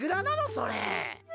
それ。